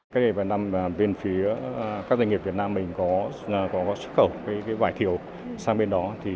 các đề bản năm viên phía các doanh nghiệp việt nam mình có xuất khẩu quải thiểu sang bên đó